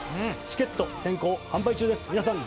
チケット先行販売中です皆さん